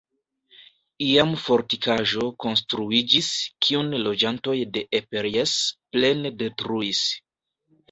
Iam fortikaĵo konstruiĝis, kiun loĝantoj de Eperjes plene detruis.